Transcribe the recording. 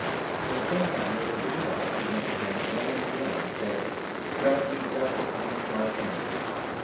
In the 3 same town there was a widow who went to him again and again, and said 'Grant me justice against my opponent.'